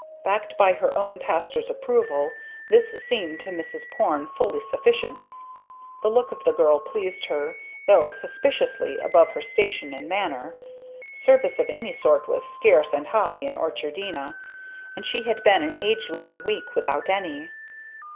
Backed by her own pastor's approval this seemed to Mrs. Porne fully sufficient. The look of the girl pleased her, though suspiciously above her station in manner; service of any sort was scarce and high in Orchardina, and she had been an agelong week without any.